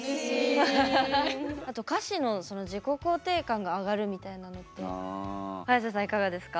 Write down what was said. あと歌詞のその自己肯定感が上がるみたいなのって早瀬さんいかがですか？